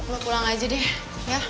lo pulang aja deh ya